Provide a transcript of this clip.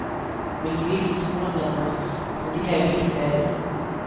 Viņi visus nogalinās, un tikai viņa dēļ!